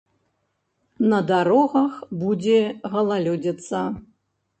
На дарогах будзе галалёдзіца.